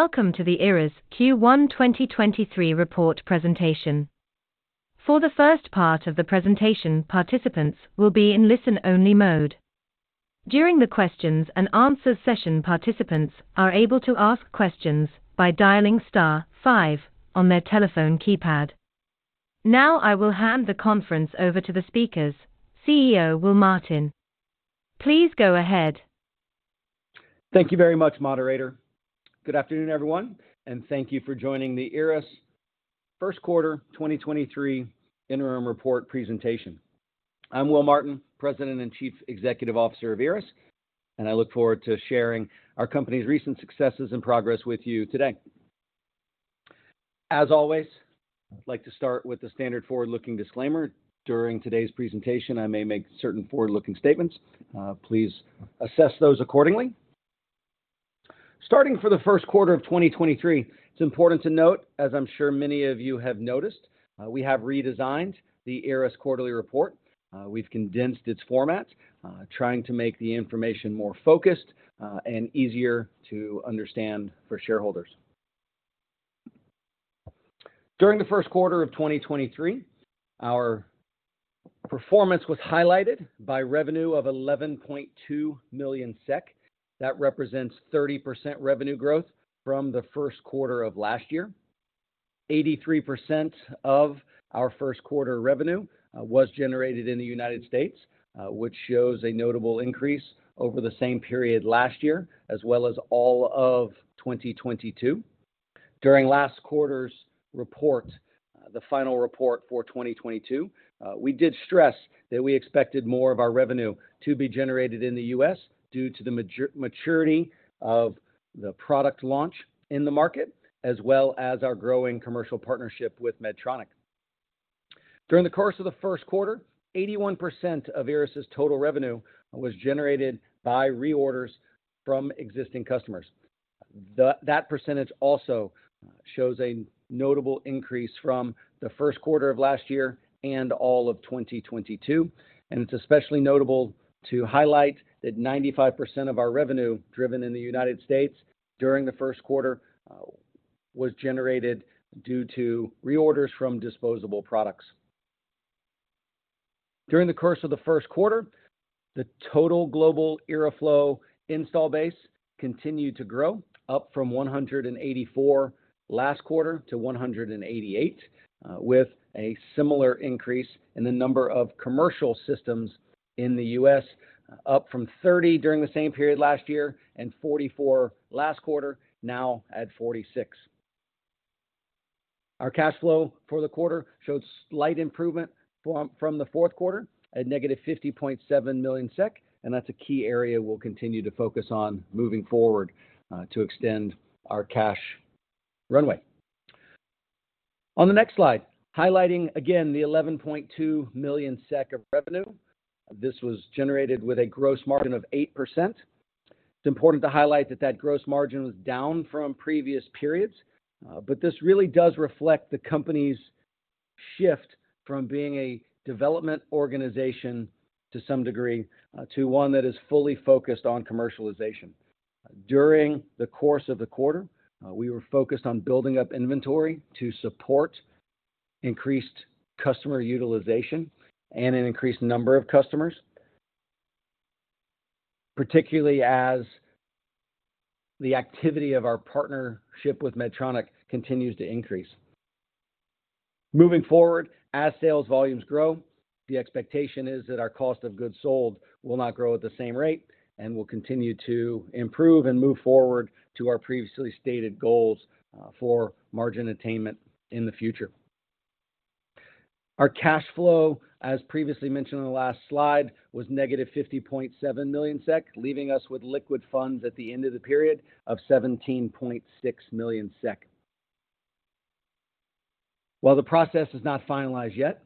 Welcome to the IRRAS Q1 2023 report presentation. For the first part of the presentation, participants will be in listen-only mode. During the questions and answers session, participants are able to ask questions by dialing star five on their telephone keypad. I will hand the conference over to the speakers. CEO Will Martin, please go ahead. Thank you very much, moderator. Good afternoon, everyone, thank you for joining the IRRAS first quarter 2023 interim report presentation. I'm Will Martin, President and Chief Executive Officer of IRRAS, I look forward to sharing our company's recent successes and progress with you today. As always, I'd like to start with the standard forward-looking disclaimer. During today's presentation, I may make certain forward-looking statements. Please assess those accordingly. Starting for the first quarter of 2023, it's important to note, as I'm sure many of you have noticed, we have redesigned the IRRAS quarterly report. We've condensed its format, trying to make the information more focused, and easier to understand for shareholders. During the first quarter of 2023, our performance was highlighted by revenue of 11.2 million SEK. That represents 30% revenue growth from the first quarter of last year. 83% of our first quarter revenue was generated in the United States, which shows a notable increase over the same period last year, as well as all of 2022. During last quarter's report, the final report for 2022, we did stress that we expected more of our revenue to be generated in the US due to the maturity of the product launch in the market, as well as our growing commercial partnership with Medtronic. During the course of the first quarter, 81% of IRRAS' total revenue was generated by reorders from existing customers. That percentage also shows a notable increase from the first quarter of last year and all of 2022. It's especially notable to highlight that 95% of our revenue driven in the United States during the first quarter was generated due to reorders from disposable products. During the course of the first quarter, the total global IRRAflow install base continued to grow, up from 184 last quarter to 188, with a similar increase in the number of commercial systems in the US, up from 30 during the same period last year and 44 last quarter, now at 46. Our cash flow for the quarter showed slight improvement from the fourth quarter at -50.7 million SEK. That's a key area we'll continue to focus on moving forward to extend our cash runway. On the next slide, highlighting again the 11.2 million SEK of revenue. This was generated with a gross margin of 8%. It's important to highlight that gross margin was down from previous periods, but this really does reflect the company's shift from being a development organization to some degree, to one that is fully focused on commercialization. During the course of the quarter, we were focused on building up inventory to support increased customer utilization and an increased number of customers, particularly as the activity of our partnership with Medtronic continues to increase. Moving forward, as sales volumes grow, the expectation is that our cost of goods sold will not grow at the same rate and will continue to improve and move forward to our previously stated goals for margin attainment in the future. Our cash flow, as previously mentioned in the last slide, was negative 50.7 million SEK, leaving us with liquid funds at the end of the period of 17.6 million SEK. While the process is not finalized yet,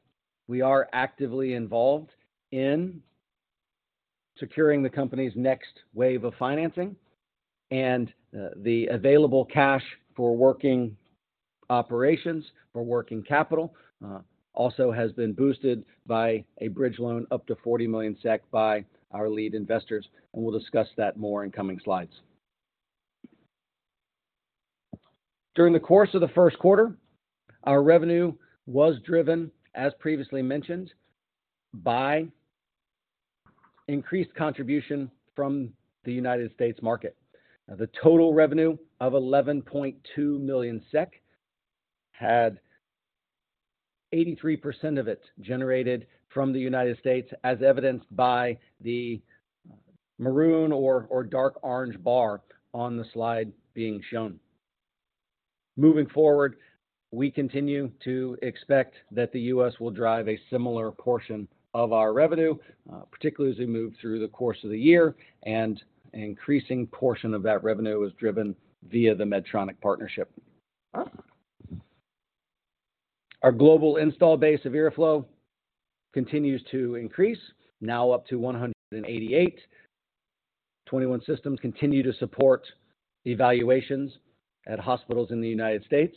we are actively involved in securing the company's next wave of financing, and the available cash for working operations, for working capital, also has been boosted by a bridge loan up to 40 million SEK by our lead investors, and we'll discuss that more in coming slides. During the course of the first quarter, our revenue was driven, as previously mentioned, by increased contribution from the United States market. The total revenue of 11.2 million SEK had 83% of it generated from the United States, as evidenced by the maroon or dark orange bar on the slide being shown. Moving forward, we continue to expect that the US will drive a similar portion of our revenue, particularly as we move through the course of the year and an increasing portion of that revenue is driven via the Medtronic partnership. Our global install base of IRRAflow continues to increase, now up to 188. 21 systems continue to support evaluations at hospitals in the United States.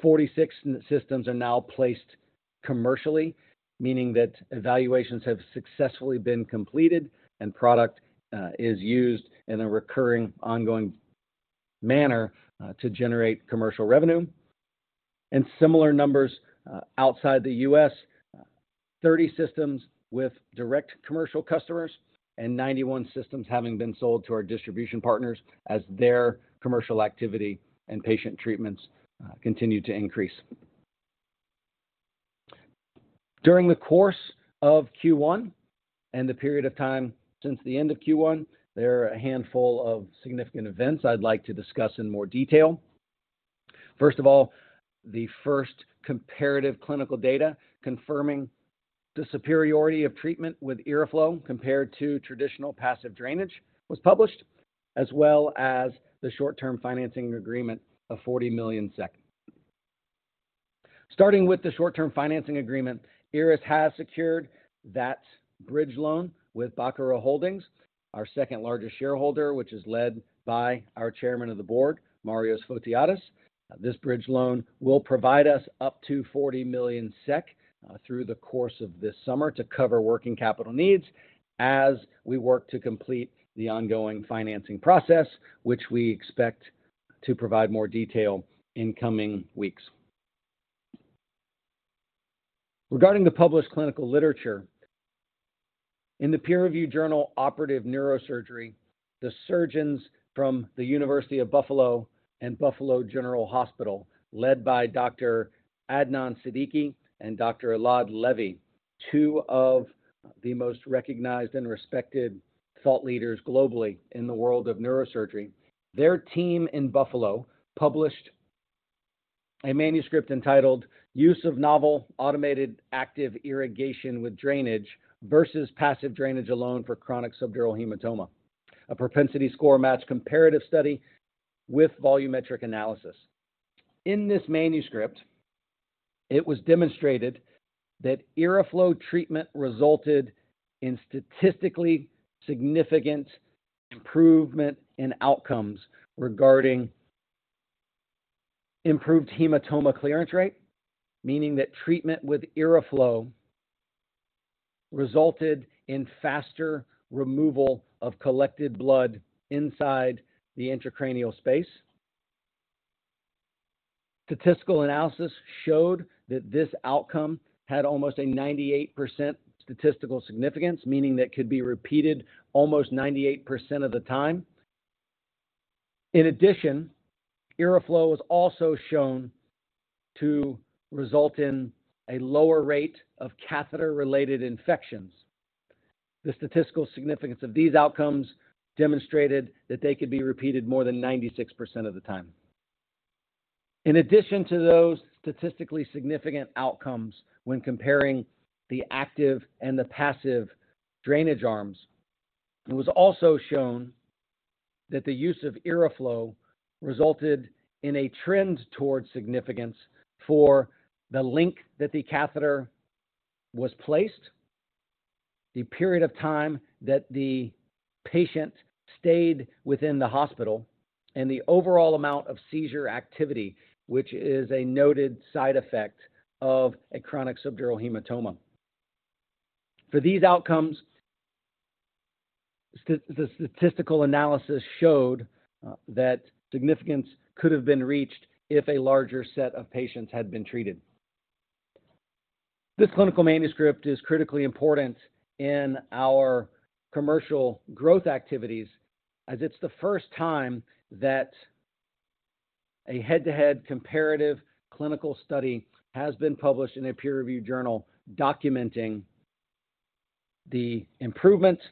Forty-six systems are now placed commercially, meaning that evaluations have successfully been completed and product is used in a recurring ongoing manner to generate commercial revenue. Similar numbers outside the US, 30 systems with direct commercial customers and 91 systems having been sold to our distribution partners as their commercial activity and patient treatments continue to increase. During the course of Q1 and the period of time since the end of Q1, there are a handful of significant events I'd like to discuss in more detail. First of all, the first comparative clinical data confirming the superiority of treatment with IRRAflow compared to traditional passive drainage was published, as well as the short-term financing agreement of 40 million SEK. Starting with the short-term financing agreement, IRRAS has secured that bridge loan with Bacara Holdings, our second-largest shareholder, which is led by our chairman of the board, Marios Fotiadis. This bridge loan will provide us up to 40 million SEK through the course of this summer to cover working capital needs as we work to complete the ongoing financing process, which we expect to provide more detail in coming weeks. Regarding the published clinical literature, in the peer-review journal Operative Neurosurgery, the surgeons from the University at Buffalo and Buffalo General Medical Center, led by Dr. Adnan Siddiqui and Dr. Elad Levy, two of the most recognized and respected thought leaders globally in the world of neurosurgery. Their team in Buffalo published a manuscript entitled Use of Novel Automated Active Irrigation with Drainage versus Passive Drainage Alone for chronic subdural hematoma, A propensity score-matched comparative study with volumetric analysis. In this manuscript, it was demonstrated that IRRAflow treatment resulted in statistically significant improvement in outcomes regarding improved hematoma clearance rate, meaning that treatment with IRRAflow resulted in faster removal of collected blood inside the intracranial space. Statistical analysis showed that this outcome had almost a 98% statistical significance, meaning that could be repeated almost 98% of the time. In addition, IRRAflow was also shown to result in a lower rate of catheter-related infections. The statistical significance of these outcomes demonstrated that they could be repeated more than 96% of the time. In addition to those statistically significant outcomes when comparing the active and the passive drainage arms, it was also shown that the use of IRRAflow resulted in a trend towards significance for the length that the catheter was placed, the period of time that the patient stayed within the hospital, and the overall amount of seizure activity, which is a noted side effect of a chronic subdural hematoma. For these outcomes, the statistical analysis showed that significance could have been reached if a larger set of patients had been treated. This clinical manuscript is critically important in our commercial growth activities as it's the first time that a head-to-head comparative clinical study has been published in a peer-review journal documenting the improvements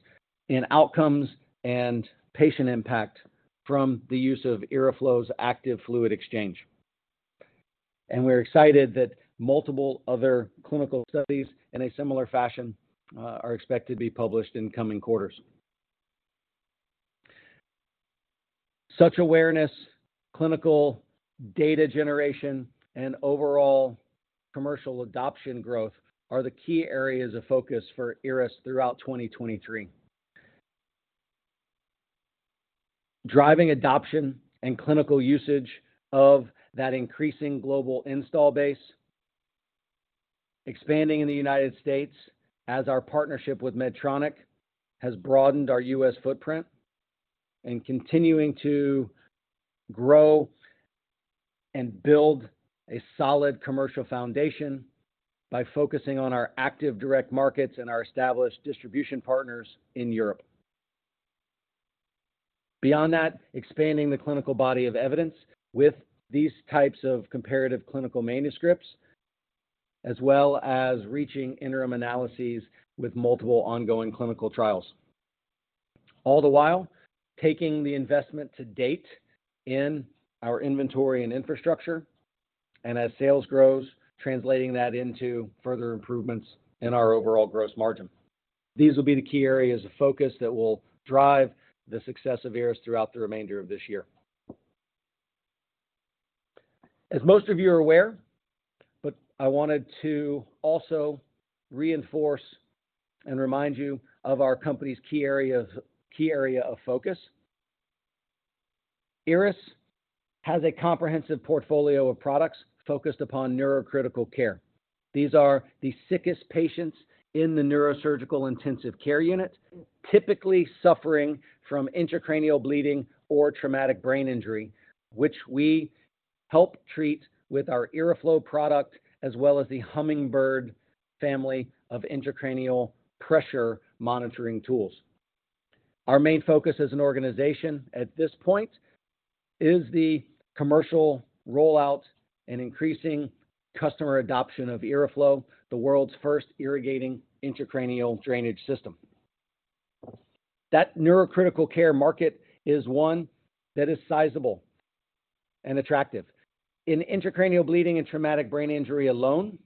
in outcomes and patient impact from the use of IRRAflow's Active Fluid Exchange. We're excited that multiple other clinical studies in a similar fashion are expected to be published in coming quarters. Such awareness, clinical data generation, and overall commercial adoption growth are the key areas of focus for IRRAS throughout 2023. Driving adoption and clinical usage of that increasing global install base, expanding in the United States as our partnership with Medtronic has broadened our US footprint, and continuing to grow and build a solid commercial foundation by focusing on our active direct markets and our established distribution partners in Europe. Expanding the clinical body of evidence with these types of comparative clinical manuscripts, as well as reaching interim analyses with multiple ongoing clinical trials. All the while, taking the investment to date in our inventory and infrastructure, and as sales grows, translating that into further improvements in our overall gross margin. These will be the key areas of focus that will drive the success of IRRAS throughout the remainder of this year. I wanted to also reinforce and remind you of our company's key area of focus. IRRAS has a comprehensive portfolio of products focused upon neurocritical care. These are the sickest patients in the neurosurgical intensive care unit, typically suffering from intracranial bleeding or traumatic brain injury, which we help treat with our IRRAflow product as well as the Hummingbird family of intracranial pressure monitoring tools. Our main focus as an organization at this point is the commercial rollout and increasing customer adoption of IRRAflow, the world's first irrigating intracranial drainage system. That neurocritical care market is one that is sizable and attractive. In intracranial bleeding and traumatic brain injury alone,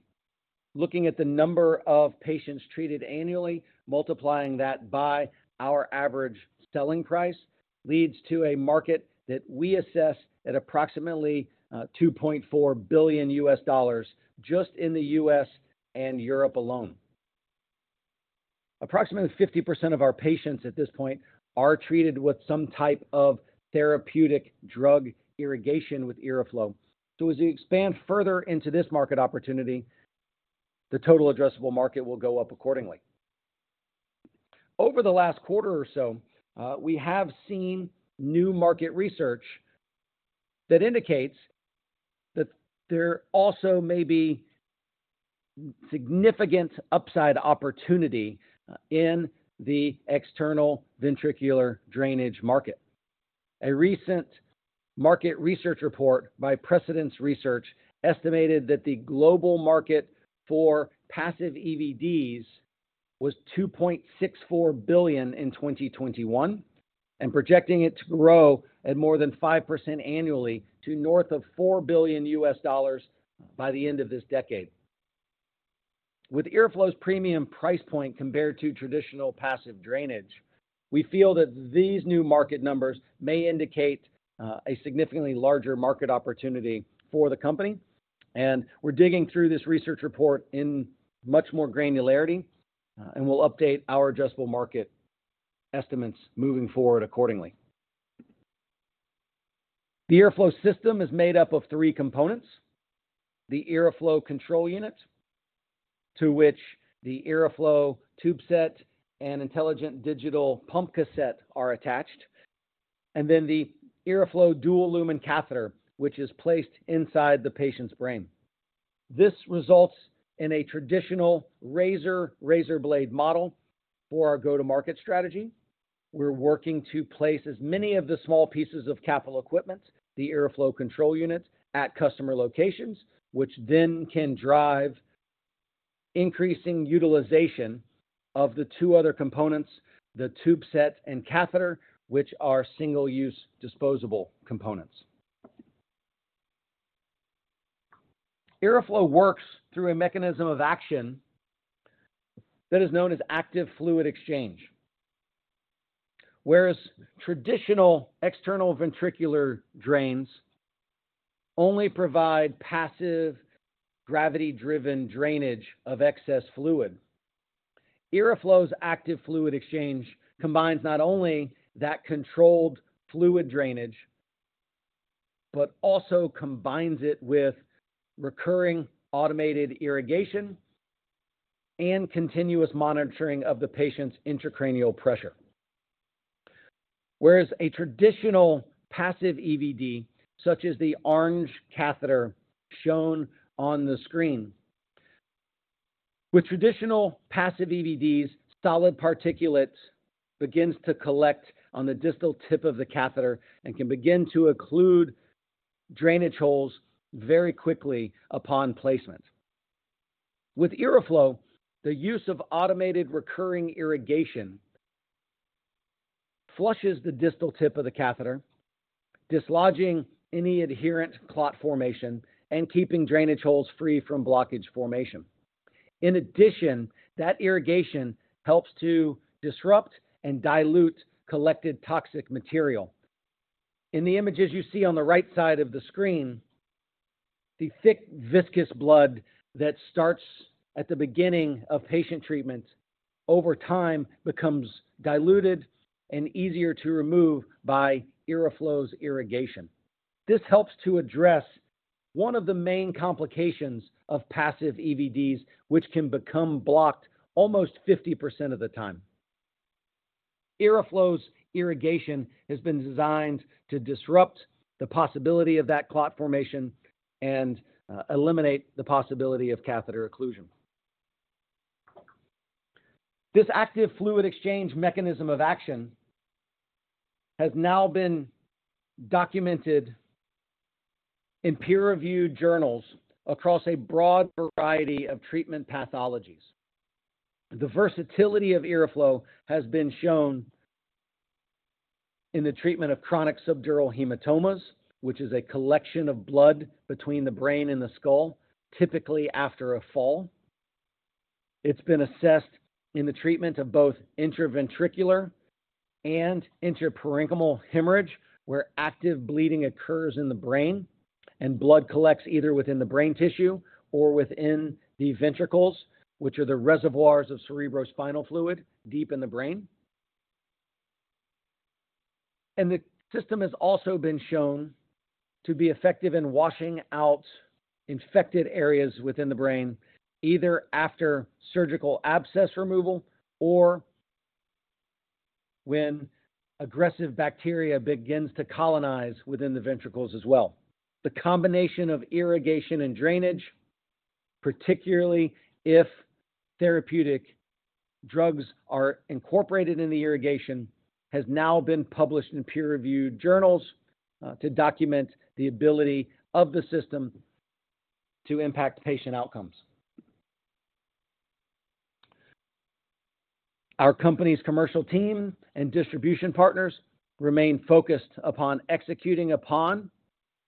looking at the number of patients treated annually, multiplying that by our average selling price leads to a market that we assess at approximately $2.4 billion just in the U.S. and Europe alone. Approximately 50% of our patients at this point are treated with some type of therapeutic drug irrigation with IRRAflow. As we expand further into this market opportunity, the total addressable market will go up accordingly. Over the last quarter or so, we have seen new market research that indicates that there also may be significant upside opportunity in the external ventricular drainage market. A recent market research report by Precedence Research estimated that the global market for passive EVDs was $2.64 billion in 2021 and projecting it to grow at more than 5% annually to north of $4 billion by the end of this decade. With IRRAflow's premium price point compared to traditional passive drainage, we feel that these new market numbers may indicate a significantly larger market opportunity for the company, and we're digging through this research report in much more granularity and we'll update our adjustable market estimates moving forward accordingly. The IRRAflow system is made up of three components: the IRRAflow Control Unit, to which the IRRAflow Tube Set and Intelligent Digital Cassette are attached, and then the IRRAflow dual lumen catheter, which is placed inside the patient's brain. This results in a traditional razor-razor blade model for our go-to-market strategy. We're working to place as many of the small pieces of capital equipment, the IRRAflow Control Units, at customer locations, which then can drive increasing utilization of the two other components, the Tube Set and Catheter, which are single-use disposable components. IRRAflow works through a mechanism of action that is known as Active Fluid Exchange. Whereas traditional External Ventricular Drains only provide passive gravity-driven drainage of excess fluid, IRRAflow's Active Fluid Exchange combines not only that controlled fluid drainage, but also combines it with recurring automated irrigation and continuous monitoring of the patient's intracranial pressure. Whereas a traditional passive EVD, such as the orange catheter shown on the screen, with traditional passive EVDs, solid particulates begins to collect on the distal tip of the catheter and can begin to occlude drainage holes very quickly upon placement. With IRRAflow, the use of automated recurring irrigation flushes the distal tip of the catheter, dislodging any adherent clot formation and keeping drainage holes free from blockage formation. That irrigation helps to disrupt and dilute collected toxic material. In the images you see on the right side of the screen, the thick, viscous blood that starts at the beginning of patient treatment over time becomes diluted and easier to remove by IRRAflow's irrigation. This helps to address one of the main complications of passive EVDs, which can become blocked almost 50% of the time. IRRAflow's irrigation has been designed to disrupt the possibility of that clot formation and eliminate the possibility of catheter occlusion. This active fluid exchange mechanism of action has now been documented in peer-reviewed journals across a broad variety of treatment pathologies. The versatility of IRRAflow has been shown in the treatment of chronic subdural hematomas, which is a collection of blood between the brain and the skull, typically after a fall. It's been assessed in the treatment of both intraventricular and intraparenchymal hemorrhage, where active bleeding occurs in the brain and blood collects either within the brain tissue or within the ventricles, which are the reservoirs of cerebrospinal fluid deep in the brain. The system has also been shown to be effective in washing out infected areas within the brain, either after surgical abscess removal or when aggressive bacteria begins to colonize within the ventricles as well. The combination of irrigation and drainage, particularly if therapeutic drugs are incorporated in the irrigation, has now been published in peer-reviewed journals to document the ability of the system to impact patient outcomes. Our company's commercial team and distribution partners remain focused upon executing upon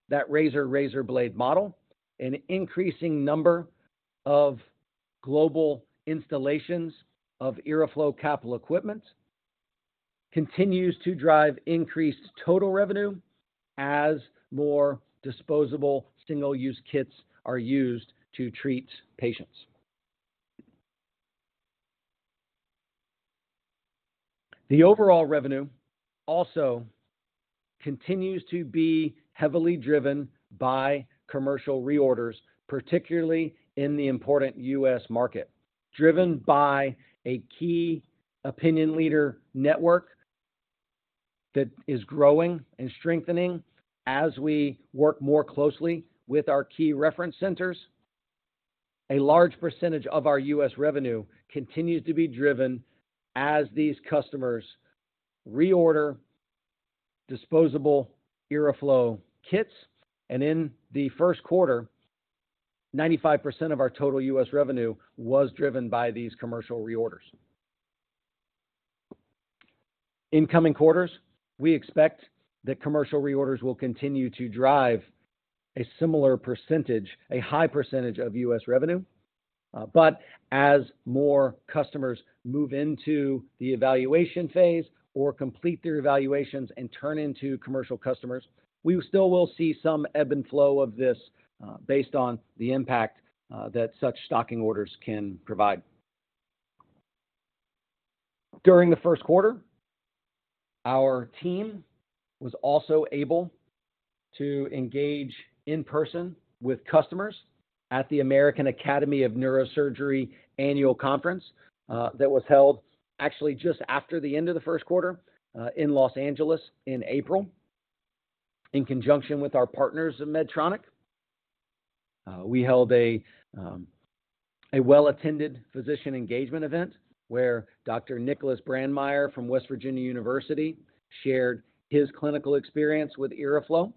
that razor-razor blade model. An increasing number of global installations of IRRAflow capital equipment continues to drive increased total revenue as more disposable single-use kits are used to treat patients. The overall revenue also continues to be heavily driven by commercial reorders, particularly in the important U.S. market, driven by a key opinion leader network that is growing and strengthening as we work more closely with our key reference centers. A large percentage of our U.S. revenue continues to be driven as these customers reorder disposable IRRAflow kits. In the first quarter, 95% of our total U.S. revenue was driven by these commercial reorders. In coming quarters, we expect that commercial reorders will continue to drive a similar percentage, a high percentage of U.S. revenue. As more customers move into the evaluation phase or complete their evaluations and turn into commercial customers, we still will see some ebb and flow of this based on the impact that such stocking orders can provide. During the first quarter, our team was also able to engage in person with customers at the American Academy of Neurosurgery annual conference that was held actually just after the end of the first quarter in Los Angeles in April. In conjunction with our partners at Medtronic, we held a well-attended physician engagement event where Dr. Nicholas Brandmeir from West Virginia University shared his clinical experience with IRRAflow.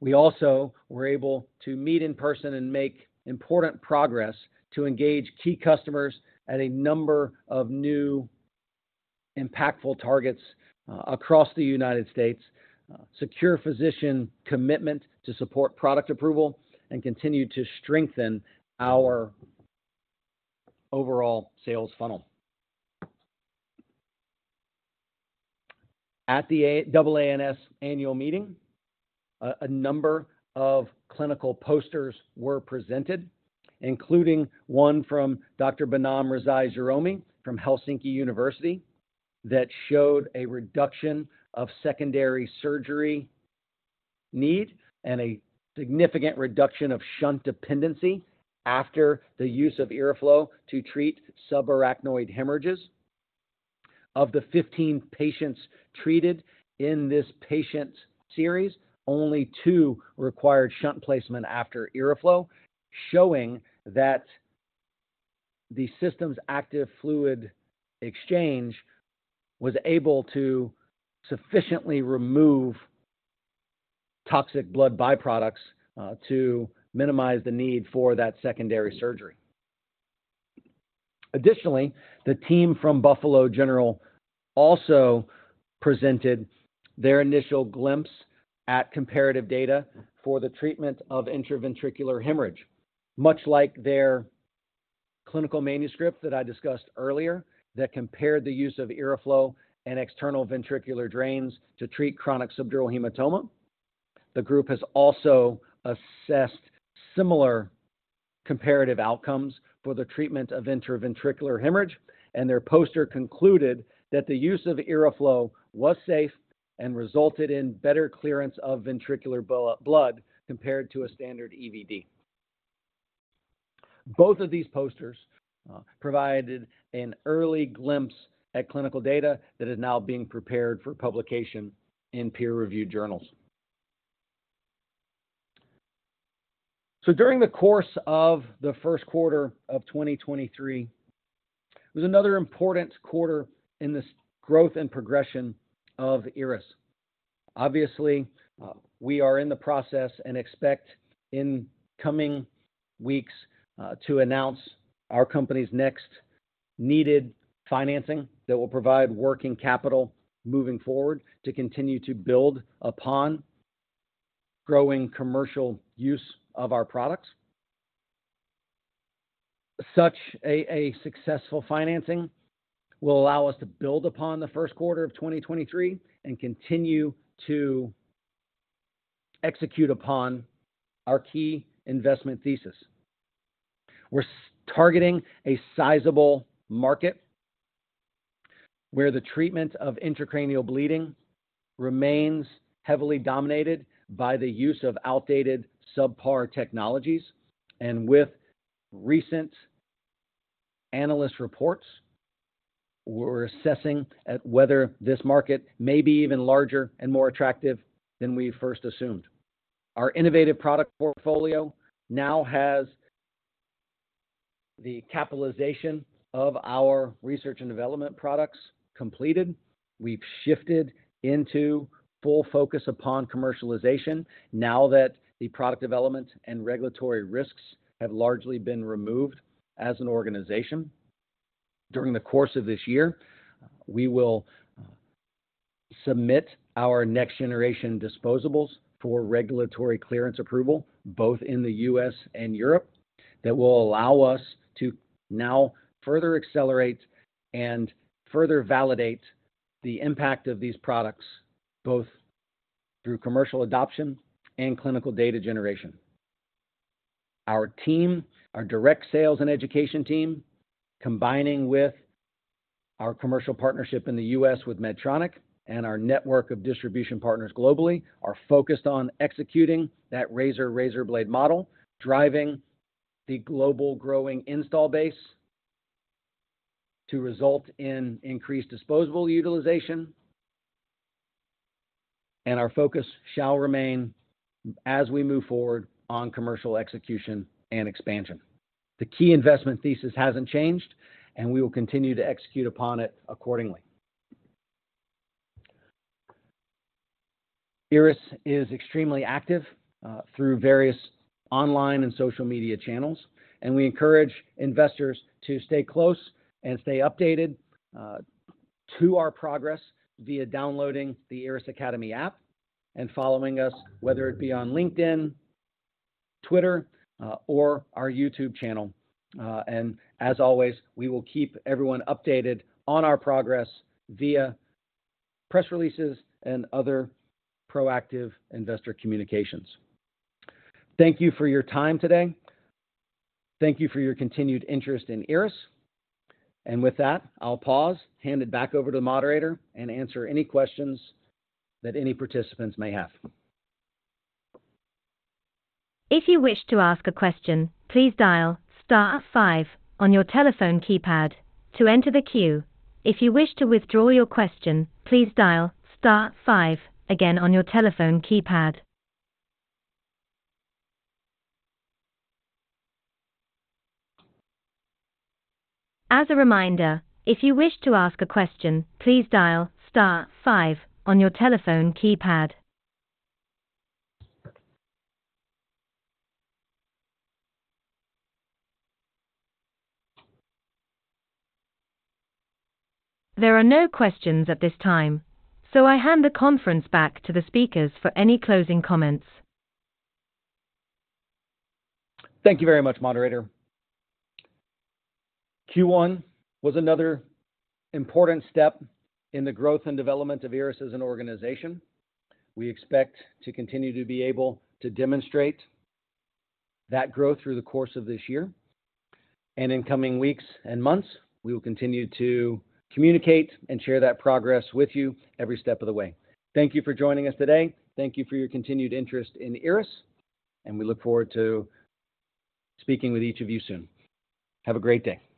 We also were able to meet in person and make important progress to engage key customers at a number of new impactful targets across the United States, secure physician commitment to support product approval, and continue to strengthen our overall sales funnel. At the AANS annual meeting, a number of clinical posters were presented, including one from Dr. Behnam Rezai Jahromi from University of Helsinki that showed a reduction of secondary surgery need and a significant reduction of shunt dependency after the use of IRRAflow to treat subarachnoid hemorrhages. Of the 15 patients treated in this patient series, only two required shunt placement after IRRAflow, showing that the system's Active Fluid Exchange was able to sufficiently remove toxic blood byproducts to minimize the need for that secondary surgery. Additionally, the team from Buffalo General Medical Center also presented their initial glimpse at comparative data for the treatment of intraventricular hemorrhage. Much like their clinical manuscript that I discussed earlier that compared the use of IRRAflow and external ventricular drains to treat chronic subdural hematoma, the group has also assessed similar comparative outcomes for the treatment of intraventricular hemorrhage, their poster concluded that the use of IRRAflow was safe and resulted in better clearance of ventricular blood compared to a standard EVD. Both of these posters provided an early glimpse at clinical data that is now being prepared for publication in peer-reviewed journals. During the course of the 1st quarter of 2023, it was another important quarter in this growth and progression of IRRAS. Obviously, we are in the process and expect in coming weeks to announce our company's next needed financing that will provide working capital moving forward to continue to build uponGrowing commercial use of our products. Such a successful financing will allow us to build upon the 1st quarter of 2023 and continue to execute upon our key investment thesis. We're targeting a sizable market where the treatment of intracranial bleeding remains heavily dominated by the use of outdated subpar technologies. With recent analyst reports, we're assessing at whether this market may be even larger and more attractive than we first assumed. Our innovative product portfolio now has the capitalization of our research and development products completed. We've shifted into full focus upon commercialization now that the product development and regulatory risks have largely been removed as an organization. During the course of this year, we will submit our next generation disposables for regulatory clearance approval, both in the U.S. and Europe, that will allow us to now further accelerate and further validate the impact of these products, both through commercial adoption and clinical data generation. Our team, our direct sales and education team, combining with our commercial partnership in the U.S. with Medtronic and our network of distribution partners globally, are focused on executing that razor-razor blade model, driving the global growing install base to result in increased disposable utilization. Our focus shall remain as we move forward on commercial execution and expansion. The key investment thesis hasn't changed, and we will continue to execute upon it accordingly. IRRAS is extremely active through various online and social media channels. We encourage investors to stay close and stay updated to our progress via downloading the IRRAS Academy app and following us whether it be on LinkedIn, Twitter, or our YouTube channel. As always, we will keep everyone updated on our progress via press releases and other proactive investor communications. Thank you for your time today. Thank you for your continued interest in IRRAS. With that, I'll pause, hand it back over to the moderator, and answer any questions that any participants may have. If you wish to ask a question, please dial star five on your telephone keypad to enter the queue. If you wish to withdraw your question, please dial star five again on your telephone keypad. As a reminder, if you wish to ask a question, please dial star five on your telephone keypad. There are no questions at this time, so I hand the conference back to the speakers for any closing comments. Thank you very much, moderator. Q1 was another important step in the growth and development of IRRAS as an organization. We expect to continue to be able to demonstrate that growth through the course of this year. In coming weeks and months, we will continue to communicate and share that progress with you every step of the way. Thank you for joining us today. Thank you for your continued interest in IRRAS, and we look forward to speaking with each of you soon. Have a great day.